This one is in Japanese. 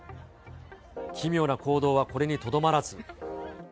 奇妙な行動はこれにとどまらず。